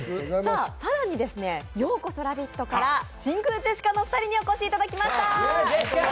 更に、「＃ようこそラヴィット」から真空ジェシカのお二人にもお越しいただきました。